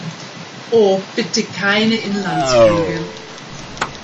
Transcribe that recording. Oh, bitte keine Inlandsflüge!